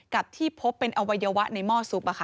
กับที่พบเป็นอวัยวะในหม้อซุป